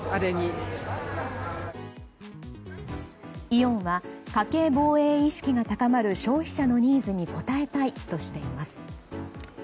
イオンは家計防衛意識が高まる消費者のニーズに応えたいとしています。